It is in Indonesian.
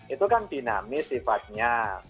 itu kan dinamis sifatnya